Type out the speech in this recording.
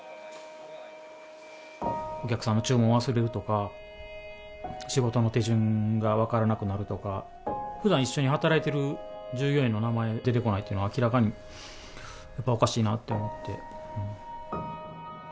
お客さんの注文忘れるとか、仕事の手順が分からなくなるとか、ふだん一緒に働いてる従業員の名前が出てこないというのは、明らかにやっぱりおかしいなと思って。